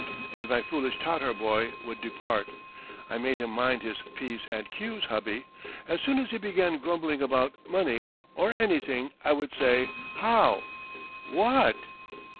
And my foolish Tatar boy would depart. I made him mind his p's and q's, hubby! As soon as he began grumbling about money or anything, I would say 'How? Wha at?